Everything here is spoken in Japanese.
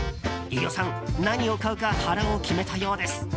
飯尾さん、何を買うか腹を決めたようです。